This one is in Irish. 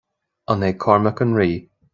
An é Cormac an rí?